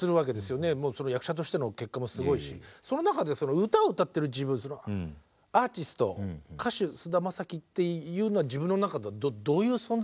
もうその役者としての結果もすごいしその中でその歌を歌ってる自分アーティスト歌手菅田将暉っていうのは自分の中ではどういう存在ですか？